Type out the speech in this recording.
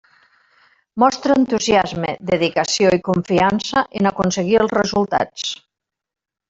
Mostra entusiasme, dedicació i confiança en aconseguir els resultats.